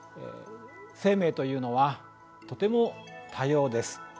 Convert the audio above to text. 生命というのはとても多様です。